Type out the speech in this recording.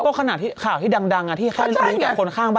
เพราะขณะข่าวที่ดังที่แค่รู้แต่คนข้างบ้าน